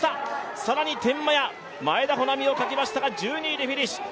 更に天満屋、前田穂南を欠きましたが１２位でフィニッシュ。